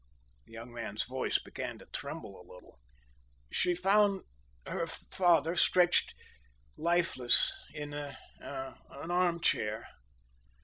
The young man's voice began to tremble a little. "She found her father stretched lifeless in an armchair."